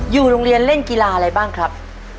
อยู่โรงเรียนเล่นกีฬาอะไรบ้างครับ